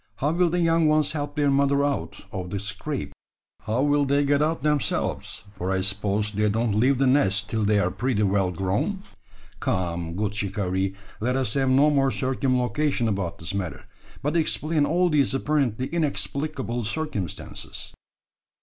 How will the young ones help their mother out of the scrape? How will they get out themselves: for I suppose they don't leave the nest till they are pretty well grown? Come! good shikaree; let us have no more circumlocution about the matter, but explain all these apparently inexplicable circumstances."